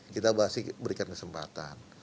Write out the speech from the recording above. kita pasti berikan kesempatan